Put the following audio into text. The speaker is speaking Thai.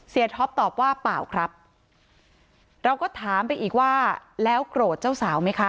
ท็อปตอบว่าเปล่าครับเราก็ถามไปอีกว่าแล้วโกรธเจ้าสาวไหมคะ